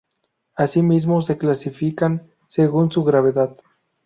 Asimismo, se clasifican según su gravedad.